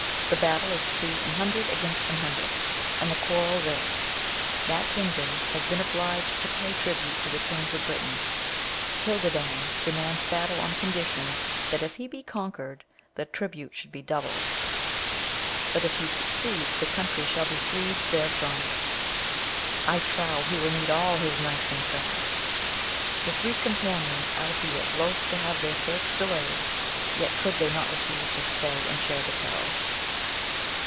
The battle is to be an hundred against an hundred, and the quarrel this : That kingdom has been obliged to pay tribute to the kings of Great Britain : Cildadan de mands battle on condition, that, if he be conquered, the tribute should be doubled ; but, if he succeed, the country shall be freed therefrom. I trow he will need all his knights and friends ! The three companions, albeit loth to have their search delayed, yet could they not refuse to stay and share the peril.